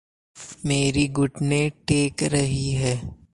Mary घुटने टेक रहीं है।